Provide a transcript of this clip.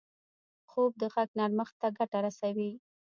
خوب د غږ نرمښت ته ګټه رسوي